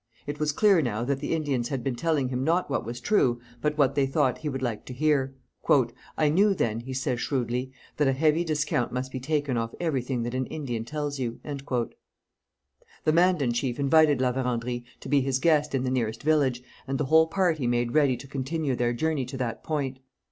It was clear now that the Indians had been telling him not what was true but what they thought he would like to hear. 'I knew then,' he says shrewdly, 'that a heavy discount must be taken off everything that an Indian tells you.' The Mandan chief invited La Vérendrye to be his guest in the nearest village, and the whole party made ready to continue their journey to that point.